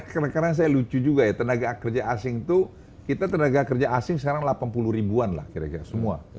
karena saya lucu juga ya tenaga kerja asing itu kita tenaga kerja asing sekarang delapan puluh ribuan lah kira kira semua